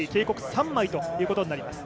３枚ということになります。